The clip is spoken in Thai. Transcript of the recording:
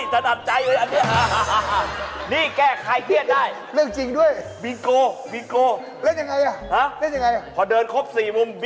ตั้งใจหนู